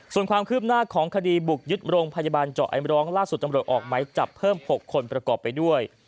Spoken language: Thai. ส่วนความคืบหน้าของคดีบุกยึดโรงพยาบาลเจาะไอมร้องล่าสุดตำรวจออกไหมจับเพิ่ม๖คนประกอบไปด้วย